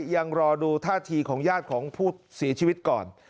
ยังรอดูท่าทีของญาติของผู้เสียชีวิตก่อน